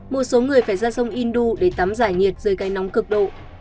một số người phải ra sông indu để tắm giải nhiệt dưới cây nóng cực độ